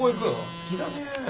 好きだね。